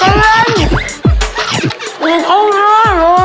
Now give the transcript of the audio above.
หมี่เขาใช่มั้ย